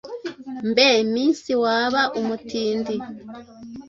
mbe minsi waba umutindi